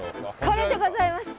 これでございます！